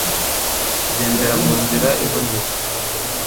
Ugendera mu nzira iboneye